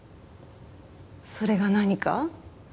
それが何か？